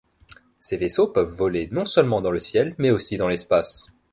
Ces vaisseaux peuvent voler non seulement dans le ciel mais aussi dans l'espace.